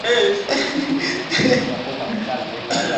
karibu na mji mkuu mosco kushika moto